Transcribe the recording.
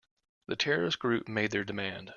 The terrorist group made their demand.